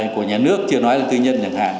của nhà nước chưa nói là tư nhân nhà hàng